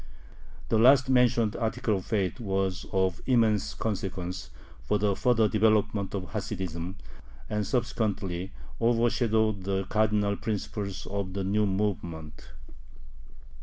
The last mentioned article of faith was of immense consequence for the further development of Hasidism, and subsequently overshadowed the cardinal principles of the new movement.